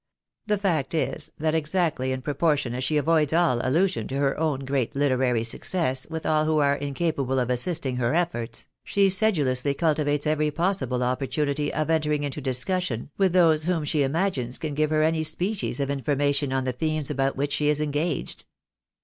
The fact is, that exactly in proportion as she avoids all allusion to her own great literary success with all who are incapable of assisting her eflbrts, she sedulously cultivates every possible opportunity of entering into discussion with those whom she imagines can give her any species of information on the themes about which she is engaged.